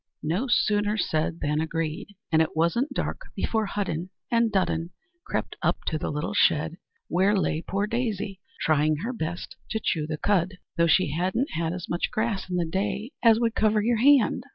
No sooner said than agreed; and it wasn't dark before Hudden and Dudden crept up to the little shed where lay poor Daisy trying her best to chew the cud, though she hadn't had as much grass in the day as would cover your hand.